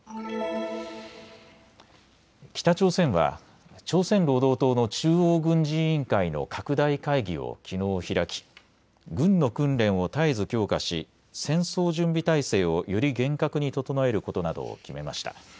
北朝鮮は朝鮮労働党の中央軍事委員会の拡大会議をきのう開き、軍の訓練を絶えず強化し戦争準備態勢をより厳格に整えることなどを決めました。